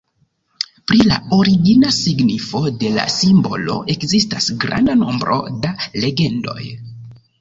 Pri la "origina" signifo de la simbolo ekzistas granda nombro da legendoj.